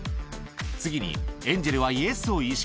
次に、エンジェルはイエスを意識。